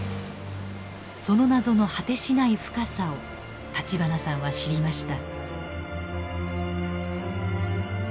その謎の果てしない深さを立花さんは知りました。